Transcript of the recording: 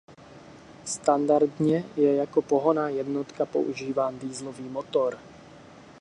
Standardně je jako pohonná jednotka používán dieselový motor.